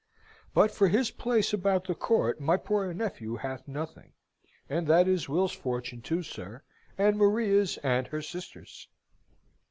But for his place about the Court my poor nephew hath nothing, and that is Will's fortune, too, sir, and Maria's and her sister's."